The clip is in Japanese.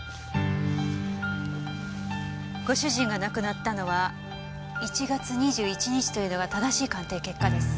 ご主人が亡くなったのは１月２１日というのが正しい鑑定結果です。